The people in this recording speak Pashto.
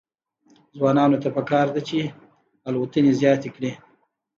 ځوانانو ته پکار ده چې، الوتنې زیاتې کړي.